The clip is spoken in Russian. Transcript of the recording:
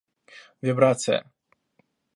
Вибрация